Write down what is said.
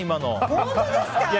本当ですか？